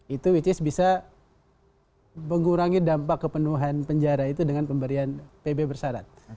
itu which is bisa mengurangi dampak kepenuhan penjara itu dengan pemberian pb bersarat